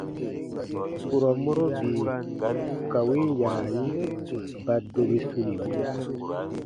Kurɔ mɔro bii ka win yaayi ba dobi sunimɔ.